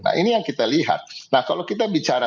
nah ini yang kita lihat nah kalau kita bicara